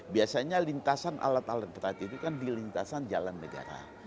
biasanya lintasan alat alat berat itu kan di lintasan jalan negara